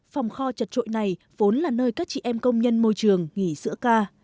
phòng kho chật trội này vốn là nơi các chị em công nhân môi trường nghỉ sữa ca